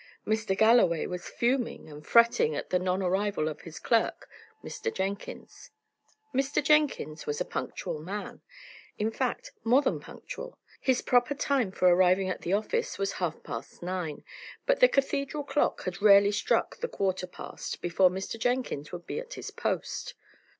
Mr. Galloway was fuming and fretting at the non arrival of his clerk, Mr. Jenkins. Mr. Jenkins was a punctual man; in fact, more than punctual: his proper time for arriving at the office was half past nine; but the cathedral clock had rarely struck the quarter past before Mr. Jenkins would be at his post.